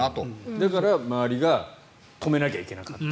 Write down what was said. だから周りが止めなきゃいけなかった。